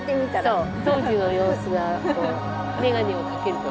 そう。